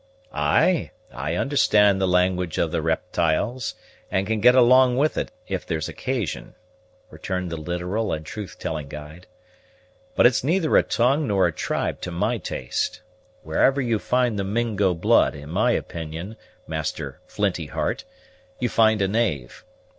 "Ay, I understand the language of the riptyles, and can get along with it if there's occasion," returned the literal and truth telling guide; "but it's neither a tongue nor a tribe to my taste. Wherever you find the Mingo blood, in my opinion, Master Flinty heart, you find a knave.